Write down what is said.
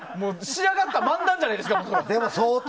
仕上がった漫談みたいじゃないですか。